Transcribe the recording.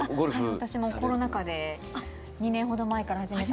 私もコロナ禍で２年ほど前から始めたんです。